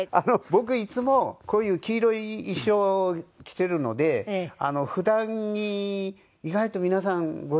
僕いつもこういう黄色い衣装を着ているので普段着意外と皆さんご存じないんですよ。